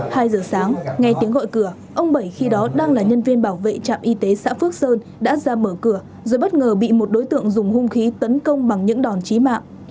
hai giờ sáng ngay tiếng gọi cửa ông bảy khi đó đang là nhân viên bảo vệ trạm y tế xã phước sơn đã ra mở cửa rồi bất ngờ bị một đối tượng dùng hung khí tấn công bằng những đòn chí mạng